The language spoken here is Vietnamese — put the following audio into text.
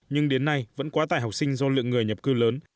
nhưng đến nay vẫn quá tải học sinh do lượng người nhập cư lớn